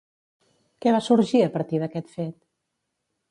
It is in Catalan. Què va sorgir a partir d'aquest fet?